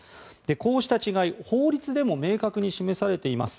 こうした違い、法律でも明確に示されています。